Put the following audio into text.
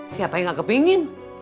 siapa yang gak kepingin